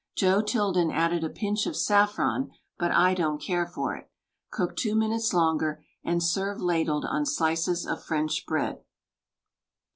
Joe Tilden added a pinch of saffron, but I don't care for it. Cook two minutes longer and serve ladled on slices of French bread.